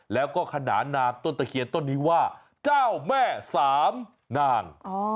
แล้วก็ขนานนามต้นตะเคียนต้นนี้ว่าเจ้าแม่สามนาง